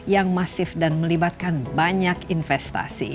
yang masif dan melibatkan banyak investasi